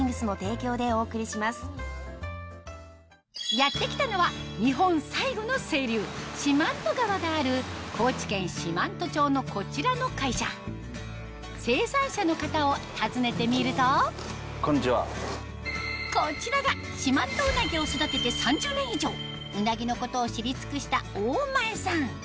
やって来たのはがある高知県四万十町のこちらの会社生産者の方を訪ねてみるとこちらが四万十うなぎを育てて３０年以上うなぎのことを知り尽くした大前さん